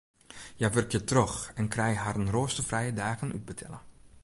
Hja wurkje troch en krije harren roasterfrije dagen útbetelle.